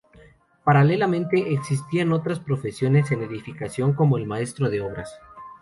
Paralelamente existían otras profesiones en edificación como el maestro de obras.